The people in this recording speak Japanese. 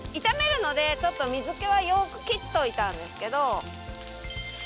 炒めるのでちょっと水気はよーく切っといたんですけど。